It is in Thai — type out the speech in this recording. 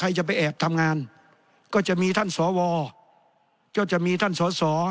จะไปแอบทำงานก็จะมีท่านสวก็จะมีท่านสอสอ